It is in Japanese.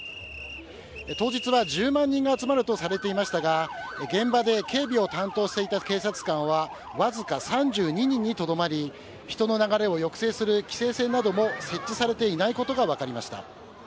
当日は１０万人が集まるとされていましたが、現場で警備を担当していた警察官は、僅か３２人にとどまり、人の流れを抑制する規制線なども設置されていないことが分かりました。